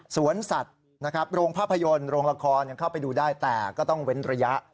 สวนสัตว์นะครับโรงภาพยนตร์โรงละครยังเข้าไปดูได้แต่ก็ต้องเว้นระยะ